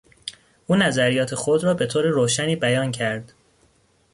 او نظریات خود را به طور روشنی بیان کرد.